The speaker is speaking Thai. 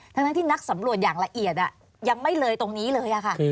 ทั้งที่นักสำรวจอย่างละเอียดยังไม่เลยตรงนี้เลยค่ะ